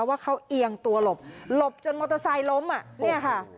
ว่าเขาเอียงตัวหลบหลบจนมอเตอร์ไซค์ล้มอ่ะเนี่ยค่ะ